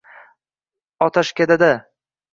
otashkadada